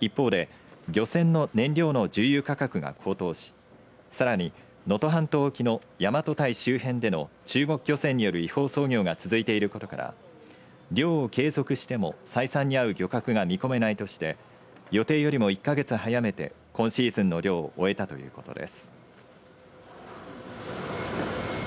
一方で漁船の燃料の重油価格が高騰しさらに、能登半島沖の大和堆周辺での中国漁船による違法操業が続いていることから漁を継続しても採算に合う漁獲が見込めないとして予定よりも１か月早めて今シーズンの漁を終えたということです。